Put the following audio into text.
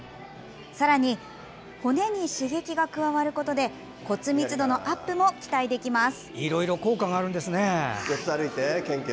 さらに骨に刺激が加わることで骨密度のアップも期待できます。